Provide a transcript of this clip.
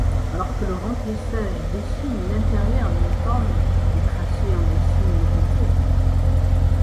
Alors que le remplissage dessine l’intérieur d’une forme, le tracé en dessine le contour.